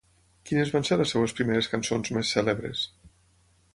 Quines van ser les seves primeres cançons més cèlebres?